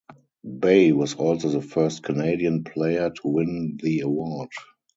Bay was also the first Canadian player to win the award.